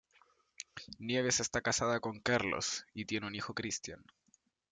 Nieves está casada con Carlos, y tiene un hijo Christian.